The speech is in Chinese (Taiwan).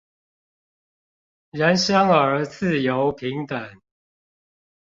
人生而自由平等